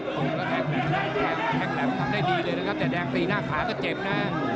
ใครก็ทำได้ดีเลยแต่แดงตีหน้าขาก็เจ็บนะ